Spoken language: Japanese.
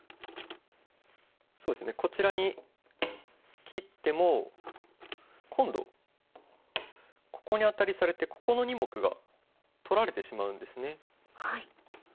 そうですねこちらに切っても今度ここにアタリされてここの２目が取られてしまうんですね。